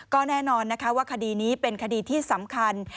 ก็แน่นอนนะคะว่าคดีนี้เป็นคดีที่สำคัญ